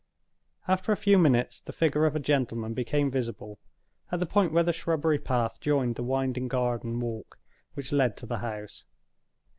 After a few minutes, the figure of a gentleman became visible, at the point where the shrubbery path joined the winding garden walk which led to the house.